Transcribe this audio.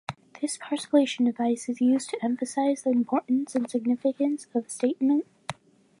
This parcellation device is used to emphasize the importance and significance of the statement.